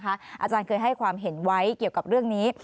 อาจารย์เคยให้ความเห็นไว้เกี่ยวกับเรื่องนี้